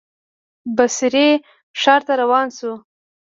بصرې ښار ته روان شو.